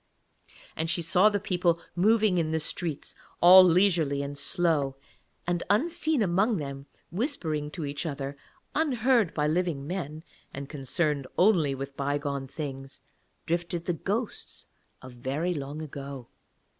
And she saw the people moving in the streets all leisurely and slow, and unseen among them, whispering to each other, unheard by living men and concerned only with bygone things, drifted the ghosts of very long ago.